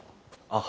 あ。